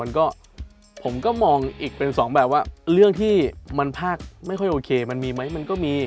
มันก็ผมก็มองอีกเป็นสองแบบว่าเรื่องที่มันภาคไม่ค่อยโอเคมันมีไหมมันก็มี